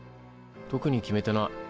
特に決めてない。